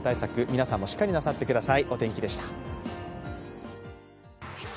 皆さんもしっかりなさって下さい。